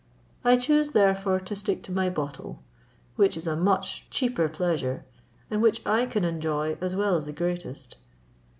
I choose therefore to stick to my bottle, which is a much cheaper pleasure, and which I can enjoy as well as the greatest."